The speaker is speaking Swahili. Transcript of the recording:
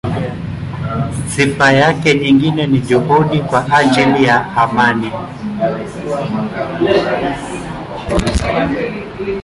Sifa yake nyingine ni juhudi kwa ajili ya amani.